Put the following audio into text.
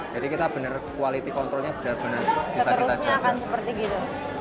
jadi kita bener quality controlnya bener bener bisa kita coba